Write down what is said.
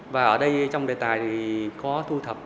và ở đây trong đề tài thì có thu thập